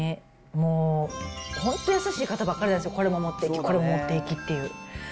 もう本当優しい方ばっかりなんですよ、これも持っていき、これも持っていきっていう。